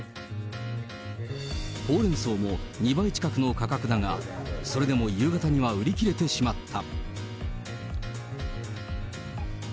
ホウレンソウも２倍近くの価格だが、それでも夕方には売り切れてしまった。